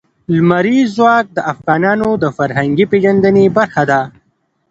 لمریز ځواک د افغانانو د فرهنګي پیژندنې برخه ده.